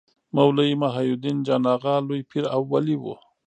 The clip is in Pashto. مولوي محي الدین جان اغا لوی پير او ولي و.